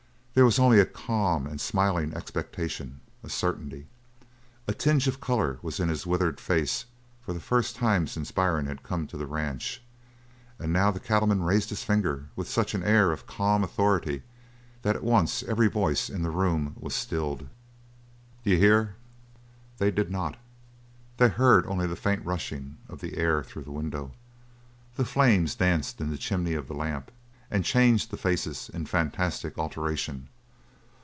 There was only a calm and smiling expectation a certainty. A tinge of colour was in his withered face for the first time since Byrne had come to the ranch, and now the cattleman raised his finger with such an air of calm authority that at once every voice in the room was stilled. "D'ye hear?" They did not. They heard only the faint rushing of the air through the window. The flame danced in the chimney of the lamp and changed the faces in phantastic alteration.